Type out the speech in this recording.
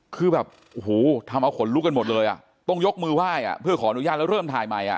คือแบบโอ้โหทำเอาขนลุกกันหมดเลยอ่ะต้องยกมือไหว้อ่ะเพื่อขออนุญาตแล้วเริ่มถ่ายใหม่อ่ะ